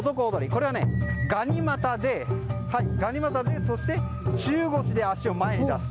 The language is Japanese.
これは、がに股でそして、中腰で足を前に出す。